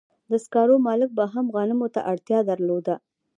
د سکارو مالک به هم غنمو ته اړتیا درلوده